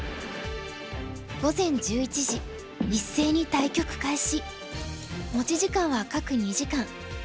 午前１１時一斉に対局開始。